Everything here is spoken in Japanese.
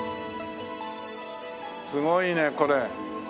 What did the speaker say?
すごいねこれ。